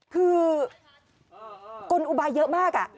คือกลอุบายเยอะมาก